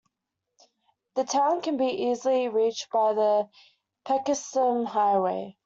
The town can be easily reached by the Phetkasem highway.